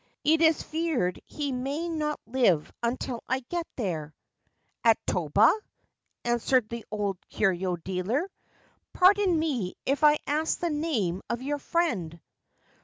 It is feared he may not live until I get there !'* At Toba !' answered the old curio dealer. * Pardon me if I ask the name of your friend